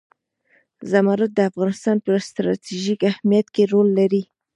زمرد د افغانستان په ستراتیژیک اهمیت کې رول لري.